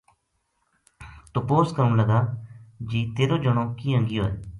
تپوس کرن لگا جی تیرو جنو کیناں گیو ہے